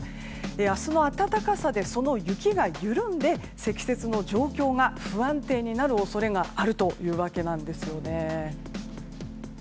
明日の暖かさで、その雪が緩んで積雪の状況が不安定になる恐れがあるというわけなんです。